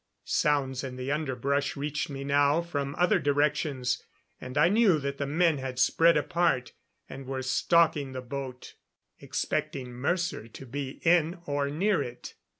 Sounds in the underbrush reached me now from other directions, and I knew that the men had spread apart and were stalking the boat, expecting Mercer to be in or near it.